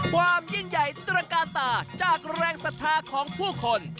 ความยิ่งใหญ่ตระกาตาจากแรงศรัทธาของผู้คน